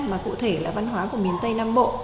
mà cụ thể là văn hóa của miền tây nam bộ